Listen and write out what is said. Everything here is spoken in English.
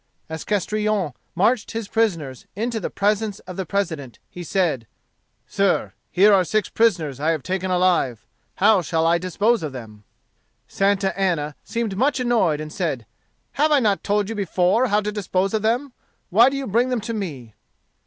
As Castrillon marched his prisoners into the presence of the President, he said: "Sir, here are six prisoners I have taken alive. How shall I dispose of them?" Santa Anna seemed much annoyed, and said, "Have I not told you before how to dispose of them? Why do you bring them to me?"